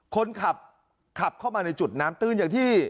คนขับขับเข้ามาในจุดน้ำตื้นอย่างที่